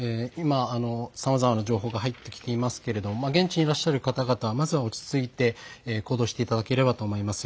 さまざまな情報が今、入ってきていますけれど現地にいらっしゃる方々、まずは落ち着いて行動していただければと思います。